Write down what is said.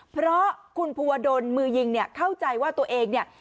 เพราะคุณภูวดลมือยิงเนี่ยเข้าใจว่าตัวเองเนี่ย